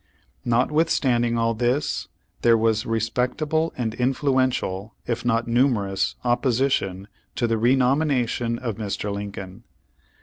Notwithstanding all this, there was respectable and influential, if not numerous opposition to the renomination of Mr. Lincoln.